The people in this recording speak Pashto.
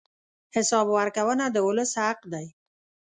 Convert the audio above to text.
حساب ورکونه د ولس حق دی.